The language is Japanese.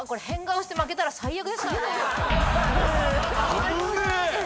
危ねえ！